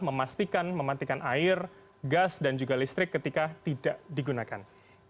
memastikan mematikan air gas dan juga listrik ketika tidak digunakan